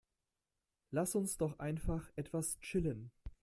Lass uns doch einfach etwas chillen.